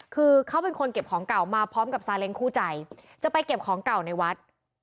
คือเขาเป็นคนเก็บของเก่ามาพร้อมกับซาเล้งคู่ใจจะไปเก็บของเก่าในวัด